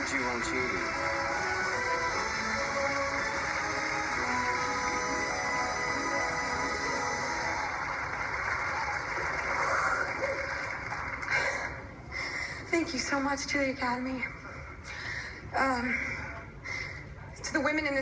ขอบคุณทุกคนสำหรับแอคแอดมี่